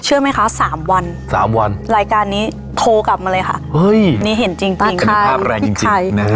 เชื่อไหมคะสามวันรายการนี้โทรกลับมาเลยค่ะนี่เห็นจริงค่ะไอ้ไข่